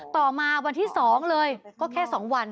ต่อมาวันที่๒เลยก็แค่๒วัน